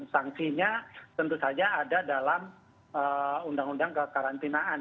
sanksinya tentu saja ada dalam undang undang kekarantinaan